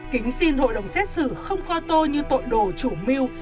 kính xin hội đồng xét xử không coi tôi như tội đồ chủ mưu